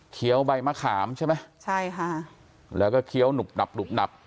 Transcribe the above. ใบมะขามใช่ไหมใช่ค่ะแล้วก็เคี้ยวหนุบหนับหนุบหนับ